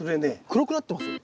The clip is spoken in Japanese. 黒くなってますよ。